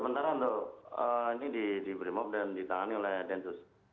tentara untuk ini diberimob dan ditangani oleh densu